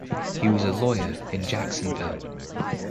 He was a lawyer in Jacksonville.